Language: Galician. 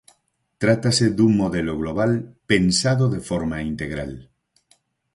Trátase dun modelo global pensado de forma integral.